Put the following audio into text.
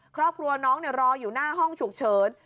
ครอบครัวน้องรออยู่หน้าห้องฉุกเฉิน